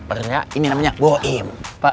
pak suria ini namanya boim